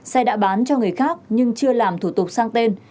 xe đã bán cho người khác nhưng chưa làm thủ tục sang tên